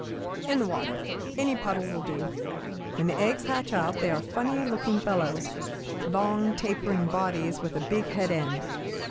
"In the water; any puddle will do. When the eggs hatch out they are funny looking fellows, long, tapering bodies with a big head end.